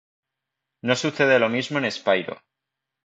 No sucede lo mismo en Spyro.